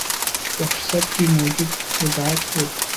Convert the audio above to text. په فهرست کې موجود موضوعات وګورئ.